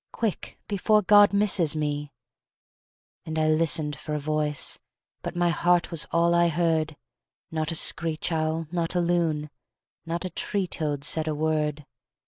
Quick! before God misses me!" And I listened for a voice; But my heart was all I heard; Not a screech owl, not a loon, Not a tree toad said a word.